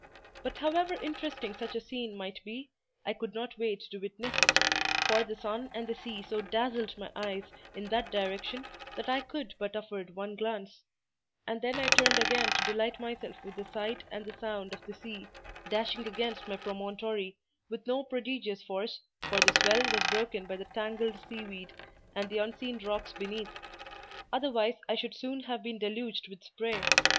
But however interesting such a scene might be, I could not wait to witness it, for the sun and the sea so dazzled my eyes in that direction, that I could but afford one glance; and then I turned again to delight myself with the sight and the sound of the sea, dashing against my promontory—with no prodigious force, for the swell was broken by the tangled sea weed and the unseen rocks beneath; otherwise I should soon have been deluged with spray.